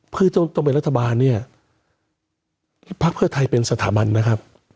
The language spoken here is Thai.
เพื่อต้องเป็นรัฐบาลเนี่ยพักเพื่อไทยเป็นสถาบันนะครับ